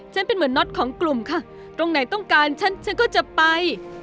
เป็นเหมือนน็อตของกลุ่มค่ะตรงไหนต้องการฉันฉันก็จะไป